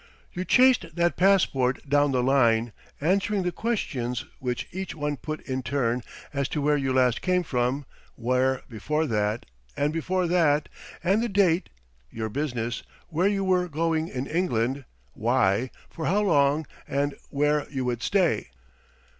You chased that passport down the line, answering the questions which each one put in turn, as to where you last came from, where before that, and before that, and the date, your business, where you were going in England, why, for how long, and where you would stay.